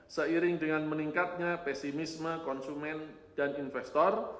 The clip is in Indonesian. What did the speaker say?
seiring dengan meningkatnya pesimisme konsumen dan investor